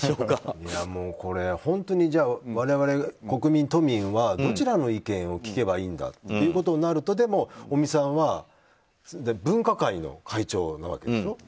本当に、我々国民、都民はどちらの意見を聞けばいいんだということになるとでも、尾身さんは分科会の会長なわけでしょ。